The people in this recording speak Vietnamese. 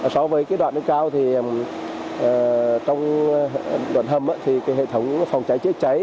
so với cái đoạn trên cao thì trong đoạn hầm thì cái hệ thống phòng cháy chế cháy